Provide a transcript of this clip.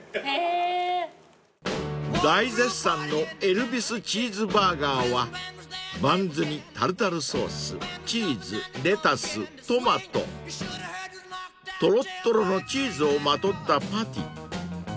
［大絶賛のエルヴィスチーズバーガーはバンズにタルタルソースチーズレタストマトトロットロのチーズをまとったパティ］